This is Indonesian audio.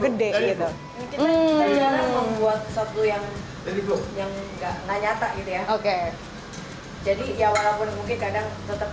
gede gitu membuat satu yang yang enggak nyata itu ya oke jadi ya walaupun mungkin kadang tetap